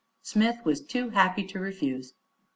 Smith was too happy to refuse.